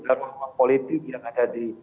dan ruang ruang politik yang ada di